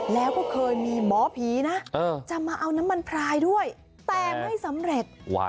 แล้วก็เคยมีหมอผีนะจะมาเอาน้ำมันพรายด้วยแต่ไม่สำเร็จ